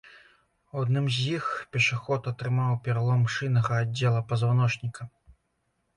У адным з іх пешаход атрымаў пералом шыйнага аддзела пазваночніка.